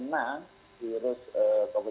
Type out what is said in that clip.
imunnya kuat yang memang otg